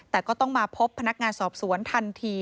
แต่ก็ต้องมาพบพนักงานสอบสวนทันที